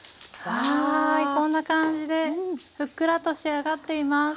はいこんな感じでふっくらと仕上がっています。